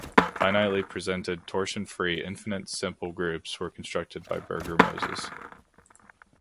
Finitely presented torsion-free infinite simple groups were constructed by Burger-Mozes.